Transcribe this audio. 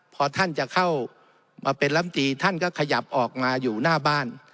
พอท่านจะเข้ามาเป็นลำตีท่านก็ขยับออกมาอยู่หน้าบ้าน